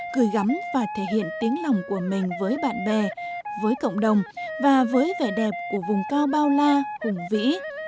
gửi gắm và thể hiện tiếng lòng của mình với bạn bè với cộng đồng và với vẻ đẹp của vùng cao bao la hùng vĩ